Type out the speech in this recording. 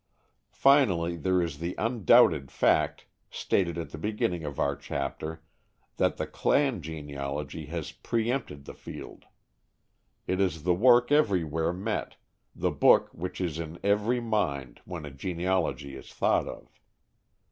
Finally, there is the undoubted fact stated at the beginning of our chapter, that the "clan" genealogy has pre empted the field. It is the work everywhere met, the book which is in every mind when a genealogy is thought of.